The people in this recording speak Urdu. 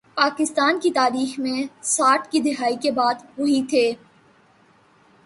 پاکستان کی تاریخ میں ساٹھ کی دہائی کے بعد، وہی تھے۔